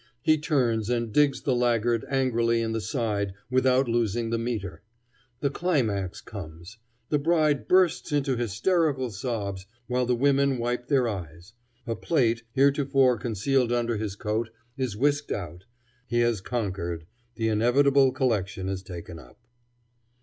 He turns and digs the laggard angrily in the side without losing the meter. The climax comes. The bride bursts into hysterical sobs, while the women wipe their eyes. A plate, heretofore concealed under his coat, is whisked out. He has conquered; the inevitable collection is taken up.